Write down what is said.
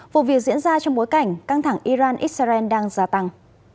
vụ việc diễn ra trong bối cảnh căng thẳng iran israel đang gia tăng